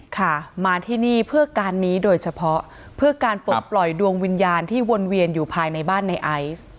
ค่ะมาที่นี่เพื่อการนี้โดยเฉพาะเพื่อการปลดปล่อยดวงวิญญาณที่วนเวียนอยู่ภายในบ้านในไอซ์